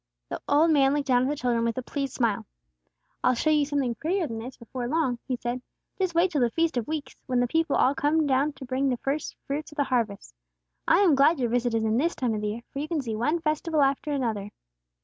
The old man looked down at the children with a pleased smile. "I'll show you something prettier than this, before long," he said. "Just wait till the Feast of Weeks, when the people all come to bring the first fruits of the harvests. I am glad your visit is in this time of the year, for you can see one festival after another."